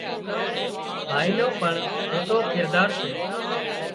ڀائي نو پڻ موٽو ڪردار سي